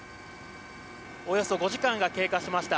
およそ５時間が経過しました。